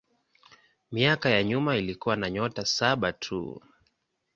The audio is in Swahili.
Miaka ya nyuma ilikuwa na nyota saba tu.